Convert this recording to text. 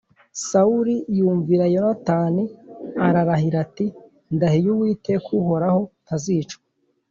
Sawuli yumvira Yonatani ararahira ati “Ndahiye Uwiteka uhoraho, ntazicwa.”